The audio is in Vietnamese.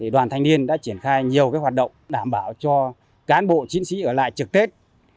đoàn thanh niên đã triển khai nhiều hoạt động đảm bảo cho cán bộ chiến sĩ ở lại trực tết